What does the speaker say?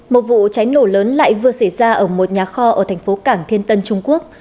một vụ cháy nổ lớn lại vừa xảy ra ở một nhà kho ở thành phố cảng thiên tân trung quốc